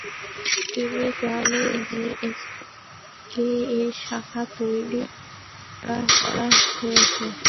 বিভিন্ন গ্রামে বিএসকে-র শাখা তৈরি করা হয়েছে।